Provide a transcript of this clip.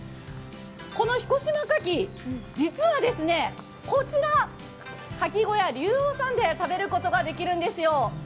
この彦島牡蠣、実はこちら牡蠣小屋流王さんで食べることができるんですよ。